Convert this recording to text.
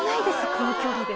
この距離で。